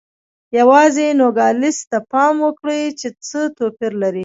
یوازې نوګالس ته پام وکړئ چې څه توپیر لري.